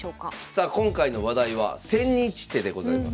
さあ今回の話題は「千日手」でございます。